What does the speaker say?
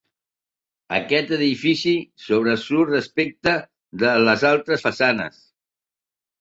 Aquest edifici sobresurt respecte de les altres façanes.